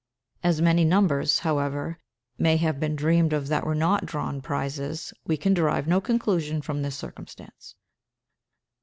As many numbers, however, may have been dreamed of that were not drawn prizes, we can derive no conclusion from this circumstance.